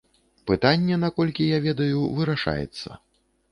Пытанне, наколькі я ведаю, вырашаецца.